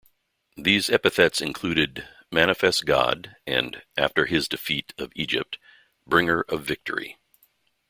These epithets included "manifest god", and, after his defeat of Egypt, "bringer of victory".